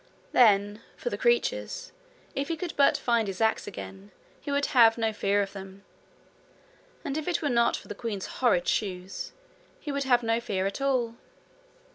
Then, for the creatures, if he could but find his axe again, he would have no fear of them; and if it were not for the queen's horrid shoes, he would have no fear at all.